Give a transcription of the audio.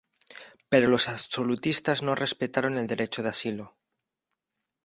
Pero los absolutistas no respetaron el derecho de asilo.